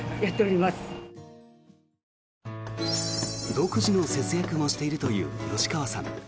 独自の節約もしているという吉川さん。